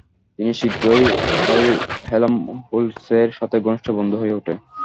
তিনি শীঘ্রই হেলমহোল্টসের সাথে ঘনিষ্ঠ বন্ধু হয়ে ওঠে।